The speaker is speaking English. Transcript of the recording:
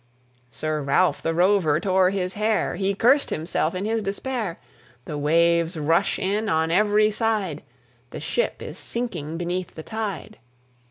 Sir Ralph the Rover tore his hair, He curst himself in his despair: The waves rush in on every side, The ship is sinking beneath the tide.